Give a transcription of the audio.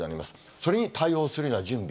それに対応するような準備。